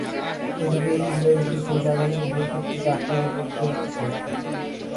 এদিকে ইসরাঈলীটি খুবই রাগান্বিত হয়ে কিবতীকে আক্রমণ করতে উদ্যত হল।